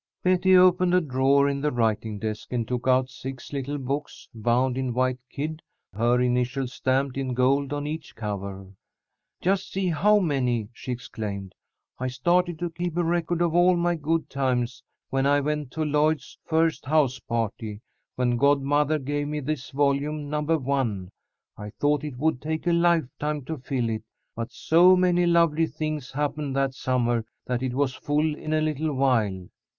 Betty opened a drawer in the writing desk and took out six little books, bound in white kid, her initials stamped in gold on each cover. "Just see how many!" she exclaimed. "I started to keep a record of all my good times when I went to Lloyd's first house party. When godmother gave me this volume, number one, I thought it would take a lifetime to fill it, but so many lovely things happened that summer that it was full in a little while.